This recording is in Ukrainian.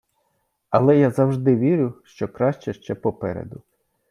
Але я завжди вірю, що краще ще попереду.